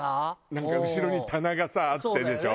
なんか後ろに棚があってでしょ。